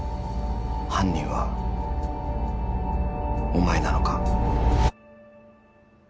犯人はお前なのか？